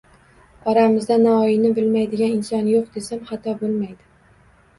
Oramizda Navoiyni bilmaydigan inson yo‘q, desam, xato bo‘lmaydi.